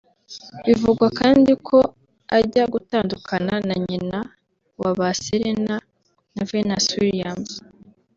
Bivugwa kandi ko ajya gutandukana na nyina wa ba Serena na Venus Williams